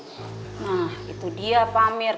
nah itu dia pak amir